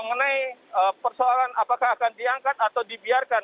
mengenai persoalan apakah akan diangkat atau dibiarkan